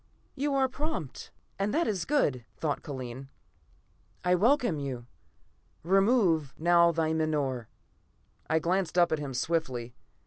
"You are prompt, and that is good," thought Kellen. "I welcome you. Remove now thy menore." I glanced up at him swiftly.